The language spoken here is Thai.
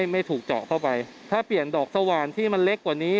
ไม่ถูกเจาะเข้าไปถ้าเปลี่ยนดอกสว่านที่มันเล็กกว่านี้